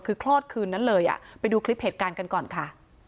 คือคลอดคืนนั้นเลยอ่ะไปดูคลิปเหตุการณ์กันก่อนค่ะ